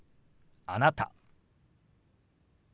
「あなた」。